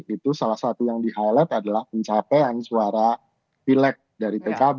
itu salah satu yang di highlight adalah pencapaian suara pilek dari pkb